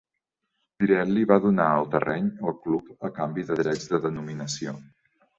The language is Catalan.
Pirelli va donar el terreny al club a canvi de drets de denominació.